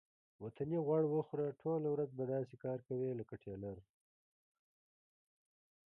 وطني غوړ وخوره ټوله ورځ به داسې کار کوې لکه ټېلر.